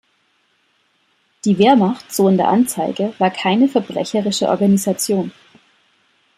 Die Wehrmacht, so in der Anzeige, "„war keine verbrecherische Organisation.